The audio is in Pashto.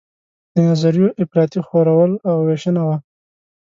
د نظریو افراطي خورول او ویشنه وه.